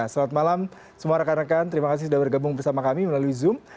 selamat malam semua rekan rekan terima kasih sudah bergabung bersama kami melalui zoom